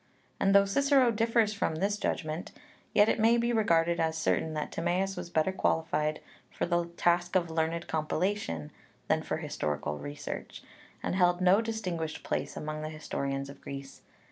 And though Cicero differs from this judgment, yet it may be regarded as certain that Timaeus was better qualified for the task of learned compilation than for historical research, and held no distinguished place among the historians of Greece.